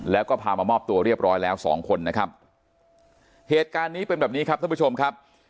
แล้วก็พามามอบตัวเรียบร้อยแล้วสองคนนะครับเหตุการณ์นี้เป็นแบบนี้ครับท่านผู้ชมครับ